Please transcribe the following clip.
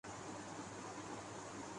کرن جوہر کے show Koffee with